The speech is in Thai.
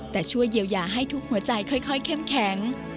แต่ช่วยเยียวยาให้ทุกหัวใจค่อยเข้มแข็ง